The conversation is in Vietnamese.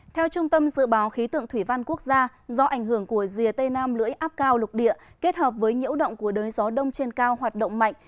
theo trung tâm dự báo khí tượng thủy văn quốc gia do ảnh hưởng của rìa tây nam lưỡi áp cao lục địa kết hợp với nhiễu động của đới gió đông trên cao hoạt động mạnh